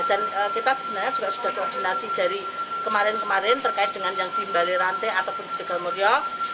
dan kita sebenarnya sudah koordinasi dari kemarin kemarin terkait dengan yang di mbali rantai ataupun di tegal mulyo